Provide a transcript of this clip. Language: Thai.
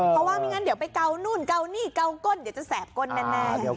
เพราะว่าไม่งั้นเดี๋ยวไปเกานู่นเกานี่เกาก้นเดี๋ยวจะแสบก้นแน่